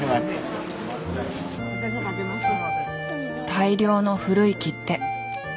大量の古い切手。